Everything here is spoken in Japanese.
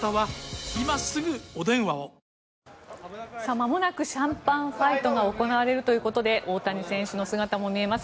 まもなくシャンパンファイトが行われるということで大谷選手の姿も見えます。